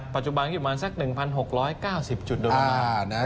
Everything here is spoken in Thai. ปัจจุบันอยู่มาสัก๑๖๙๐จุดโดยเวลา